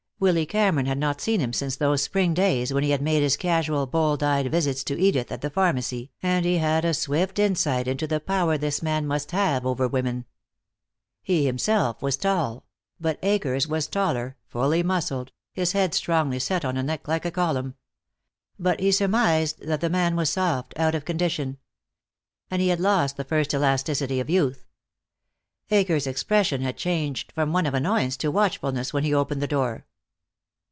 Willy Cameron had not seen him since those spring days when he had made his casual, bold eyed visits to Edith at the pharmacy, and he had a swift insight into the power this man must have over women. He himself was tall; but Akers was taller, fully muscled, his head strongly set on a neck like a column. But he surmised that the man was soft, out of condition. And he had lost the first elasticity of youth. Akers' expression had changed from one of annoyance to watchfulness when he opened the door.